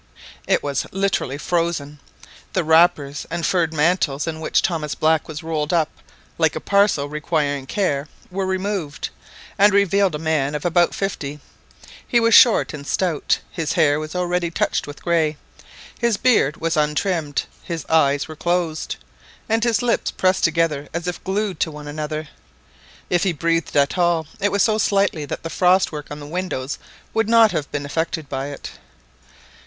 It was literally frozen. The wrappers and furred mantles, in which Thomas Black was rolled up like a parcel requiring care, were removed, and revealed a man of about fifty. He was short and stout, his hair was already touched with grey, his beard was untrimmed, his eyes were closed, and his lips pressed together as if glued to one another. If he breathed at all, it was so slightly that the frost work on the windows would not have been affected by it.